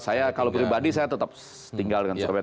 saya kalau pribadi saya tetap tinggal dengan surabaya